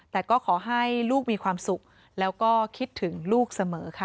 แต่ก็ขอให้ลูกมีความสุขแล้วก็คิดถึงลูกเสมอค่ะ